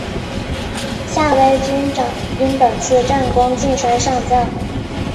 夏威军长因本次战功晋升上将。